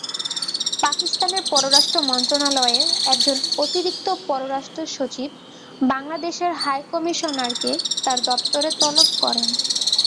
পাকিস্তানের পররাষ্ট্র মন্ত্রণালয়ের একজন অতিরিক্ত পররাষ্ট্রসচিব বাংলাদেশের হাইকমিশনারকে তাঁর দপ্তরে তলব করেন।